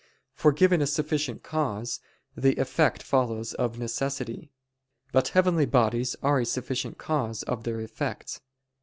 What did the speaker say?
For given a sufficient cause, the effect follows of necessity. But heavenly bodies are a sufficient cause of their effects.